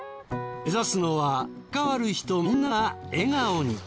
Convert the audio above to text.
目指すのは関わる人みんなが笑顔に。